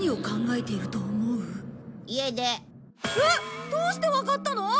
えっ！どうしてわかったの！？